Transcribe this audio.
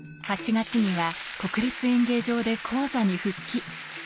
８月には国立演芸場で高座に復帰。